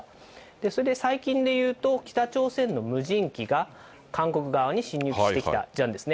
それで最近で言うと、北朝鮮の無人機が韓国側に侵入してきた事案ですね。